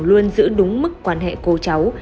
luôn giữ đúng mức quan hệ cô cháu